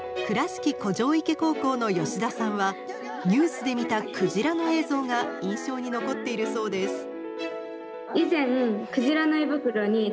倉敷古城池高校の吉田さんはニュースで見たクジラの映像が印象に残っているそうです。